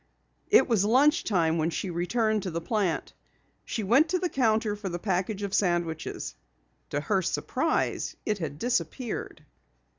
It was lunch time when she returned to the plant. She went to the counter for the package of sandwiches. To her surprise it had disappeared.